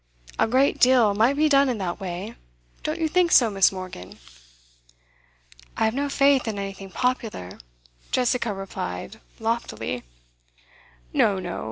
A great deal might be done in that way, don't you think so, Miss. Morgan?' 'I have no faith in anything popular,' Jessica replied loftily. 'No, no.